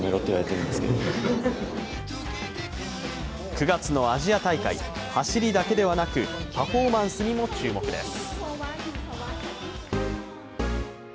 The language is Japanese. ９月のアジア大会走りだけではなく、パフォーマンスにも注目です。